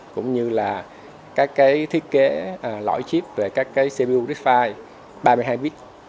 cũng như là các cái thiết kế lõi chip về các cái cpu disk file ba mươi hai bit